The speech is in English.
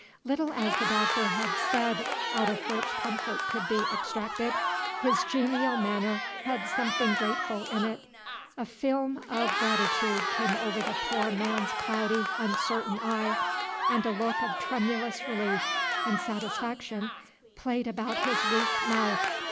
Little as the Doctor had said out of which comfort could be extracted, his genial manner had something grateful in it. A film of gratitude came over the poor man's cloudy, uncertain eye, and a look of tremulous relief and satisfaction played about his weak mouth.